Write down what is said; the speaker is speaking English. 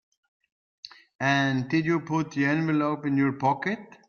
And did you put the envelope in your pocket?